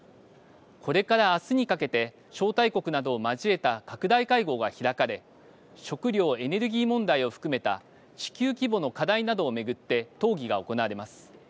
これからあすにかけて招待国などを交えた拡大会合が開かれ食料・エネルギー問題を含めた地球規模の課題などを巡って討議が行われます。